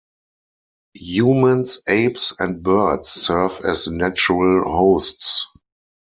Humans, apes, and birds serve as natural hosts.